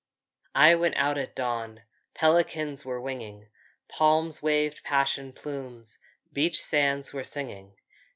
I went out at dawn, Pelicans were winging. Palms waved passion plumes, Beach sands were singing.